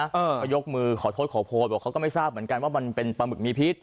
มีการยกมือขอโทษขอโพธิ์เขาก็ไม่ทราบเหมือนกันว่าเป็นปะหมึกมีพิษ